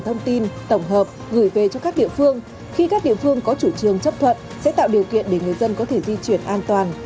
thông tin tổng hợp gửi về cho các địa phương khi các địa phương có chủ trương chấp thuận sẽ tạo điều kiện để người dân có thể di chuyển an toàn